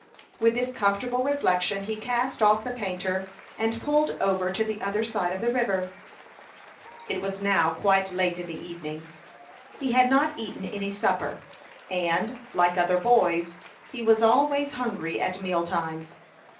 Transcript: With this comfortable reflection he cast off the painter, and pulled over to the other side of the river. It was now quite late in the evening. He had not eaten any supper, and, like other boys, he was always hungry at meal times.